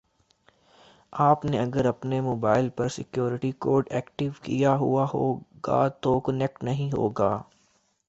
آپ نے اگر اپنے موبائل پر سیکیوریٹی کوڈ ایکٹیو کیا ہوا ہوگا تو کنیکٹ نہیں ہوگا